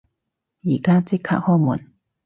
而家即刻開門！